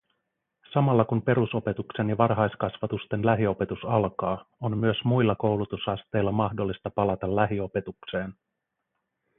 Samalla kun perusopetuksen ja varhaiskasvatusten lähiopetus alkaa, on myös muilla koulutusasteilla mahdollista palata lähiopetukseen.